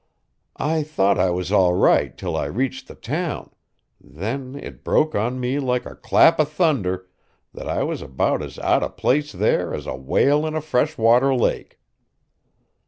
I thought I was all right till I reached the town; then it broke on me like a clap o' thunder that I was about as out o' place there as a whale in a fresh water lake.